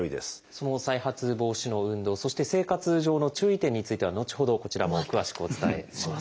その再発防止の運動そして生活上の注意点については後ほどこちらも詳しくお伝えします。